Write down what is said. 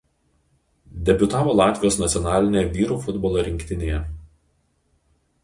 Debiutavo Latvijos nacionalinėje vyrų futbolo rinktinėje.